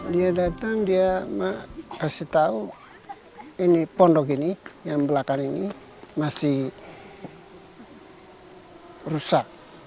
dia datang dia kasih tahu ini pondok ini yang belakang ini masih rusak